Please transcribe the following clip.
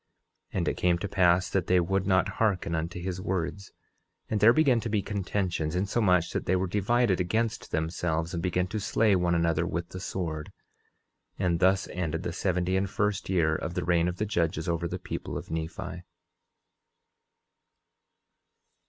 10:18 And it came to pass that they would not hearken unto his words; and there began to be contentions, insomuch that they were divided against themselves and began to slay one another with the sword. 10:19 And thus ended the seventy and first year of the reign of the judges over the people of Nephi.